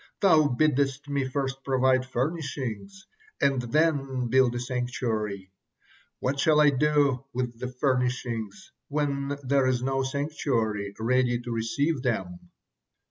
Thou biddest me first provide furnishings and then build a sanctuary. What shall I do with the furnishings when there is no sanctuary ready to receive them?"